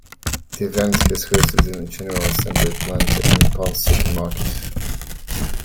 The event was hosted at General Assembly Atlanta in Ponce City Market.